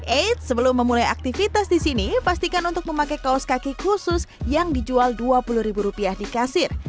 eits sebelum memulai aktivitas di sini pastikan untuk memakai kaos kaki khusus yang dijual dua puluh ribu rupiah di kasir